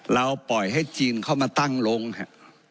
ปล่อยให้จีนเข้ามาตั้งโรงครับ